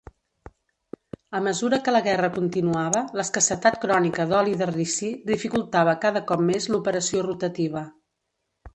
A mesura que la guerra continuava, l'escassetat crònica d'oli de ricí dificultava cada cop més l'operació rotativa.